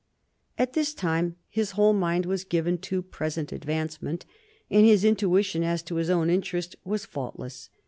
At this time, his whole mind was given to present advancement, and his intuition as to his own interest was faultless.